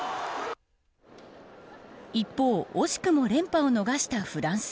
一方惜しくも連覇を逃したフランス。